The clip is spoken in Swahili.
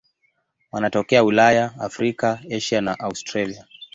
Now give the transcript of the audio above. Wanatokea Ulaya, Afrika, Asia na Australia.